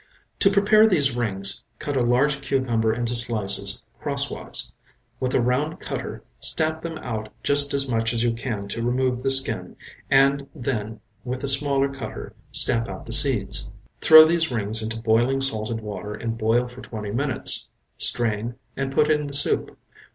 To prepare these rings cut a large cucumber into slices crosswise. With a round cutter stamp them out just as much as you can to remove the skin, and then with a smaller cutter stamp out the seeds. Throw these rings into boiling salted water and boil for twenty minutes; strain and put in the soup.